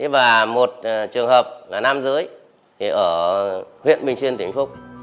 và một trường hợp là nam giới ở huyện bình xuyên tỉnh vĩnh phúc